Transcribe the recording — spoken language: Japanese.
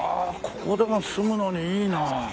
ここでも住むのにいいなあ。